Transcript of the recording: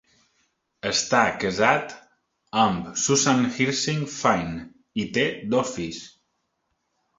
Està casat amb Susan Hirsig Fine i té dos fills.